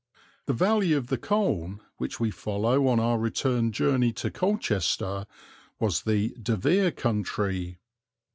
The valley of the Colne, which we follow on our return journey to Colchester, was the De Vere country.